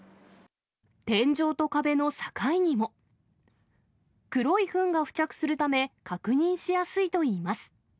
天井と壁の境にも、黒いふんが付着するため、確認しやすいといいます。